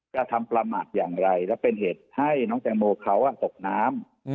กระทำประมาทอย่างไรและเป็นเหตุให้น้องแตงโมเขาตกน้ำ